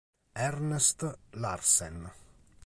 Ernst Larsen